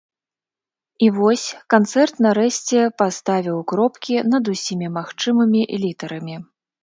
І вось, канцэрт нарэшце паставіў кропкі над усімі магчымымі літарамі.